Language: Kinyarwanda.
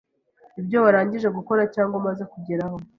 ibyo warangije gukora cyangwa umaze kugeraho,